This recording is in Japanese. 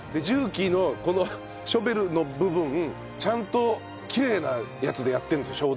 重機のこのショベルの部分ちゃんときれいなやつでやってるんですよ